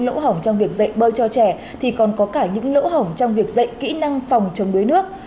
lỗ hỏng trong việc dạy bơi cho trẻ thì còn có cả những lỗ hỏng trong việc dạy kỹ năng phòng chống đuối nước